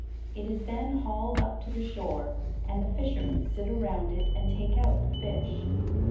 It is then hauled up to the shore, and the fishermen sit around it, and take out the fish.